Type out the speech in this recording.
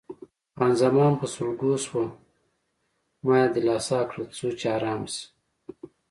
خان زمان په سلګو شوه، ما یې دلاسا کړل څو چې آرامه شوه.